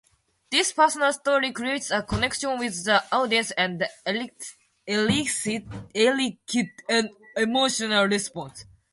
This personal story creates a connection with the audience and elicits an emotional response.